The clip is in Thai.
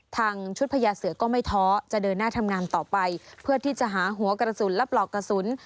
ทางชุดพญาเสือก็ไม่ท้อจะเดินหน้าทำงานต่อไปเพื่อที่จะหาหัวกระสุนและปลอกกระสุน